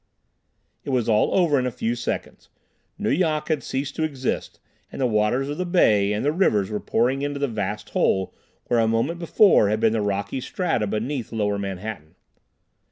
It was all over in a few seconds. Nu Yok had ceased to exist, and the waters of the bay and the rivers were pouring into the vast hole where a moment before had been the rocky strata beneath lower Manhattan.